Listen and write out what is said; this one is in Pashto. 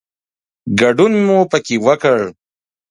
ګډون مو پکې وکړ.